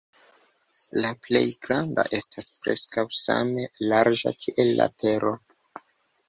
La plej granda estas preskaŭ same larĝa kiel la Tero.